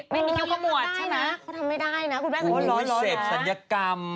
ไม่มีไม่มีเคี้ยวขมวดใช่ไหมคุณแม่คือร้อนนะโอ้โฮเสพศัลยกรรม